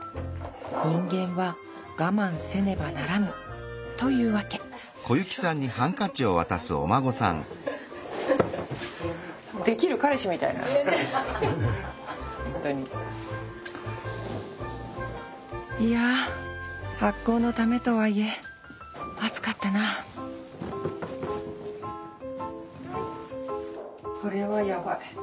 人間は我慢せねばならぬというわけいや発酵のためとはいえ暑かったなこれはやばい。